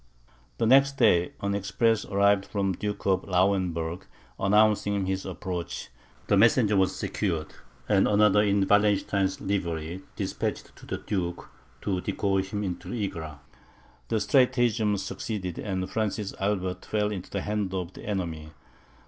The next day, an express arrived from the Duke of Lauenburg, announcing his approach. The messenger was secured, and another in Wallenstein's livery despatched to the Duke, to decoy him into Egra. The stratagem succeeded, and Francis Albert fell into the hands of the enemy.